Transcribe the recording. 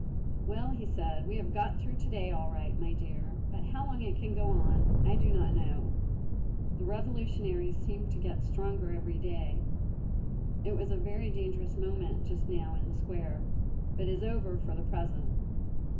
"Well," he said, "we have got through to day all right, my dear; but how long it can go on, I do not know; the revolutionaries seem to get stronger every day. It was a very dangerous moment just now in the square; but is over for the present."